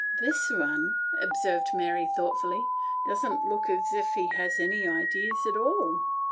"This one," observed Mary thoughtfully, "doesn't look as if he had any ideas at all."